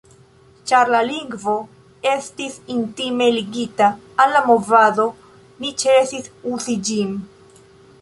Ĉar la lingvo estis intime ligita al la movado, mi ĉesis uzi ĝin.